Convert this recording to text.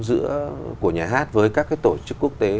giữa của nhà hát với các cái tổ chức quốc tế